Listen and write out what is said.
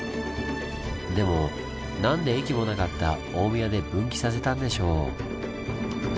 でもなんで駅もなかった大宮で分岐させたんでしょう？